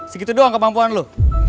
segitu doang kemampuan lo